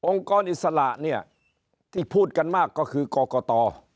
กรอิสระเนี่ยที่พูดกันมากก็คือกรกต